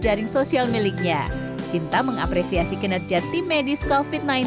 yang bisa menjadikan tempat curhat tempat bercanda